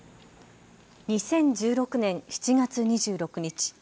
２０１６年７月２６日。